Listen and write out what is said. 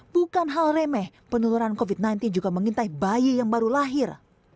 bukan hal remeh penularan covid sembilan belas juga mengintai bayi yang baru lahir